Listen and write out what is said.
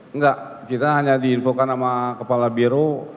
enggak kita hanya diinfokan sama kepala biro